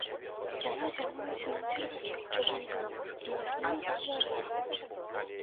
Яна азірнулася на ўсе бакі ў чужым доме і нясмела загаварыла.